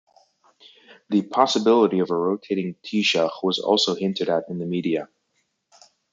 The possibility of a rotating Taoiseach was also hinted at in the media.